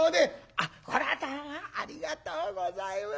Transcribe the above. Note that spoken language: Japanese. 「あっこれはどうもありがとうございます。